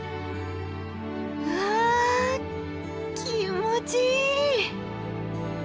うわ気持ちいい！